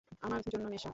আমার জন্য নেশা।